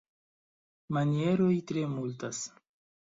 Manieroj tre multas.